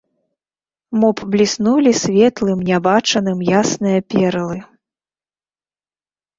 Мо б бліснулі светлым нябачаным ясныя перлы?